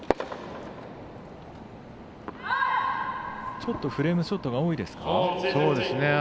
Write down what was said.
ちょっとフレームショットが多いですか？